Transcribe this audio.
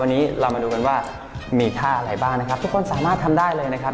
วันนี้เรามาดูกันว่ามีท่าอะไรบ้างนะครับทุกคนสามารถทำได้เลยนะครับ